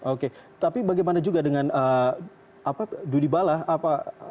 oke tapi bagaimana juga dengan dudibala